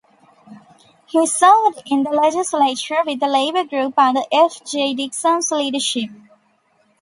He served in the legislature with the labour group under F. J. Dixon's leadership.